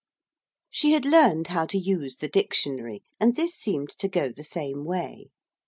She had learned how to use the dictionary, and this seemed to go the same way.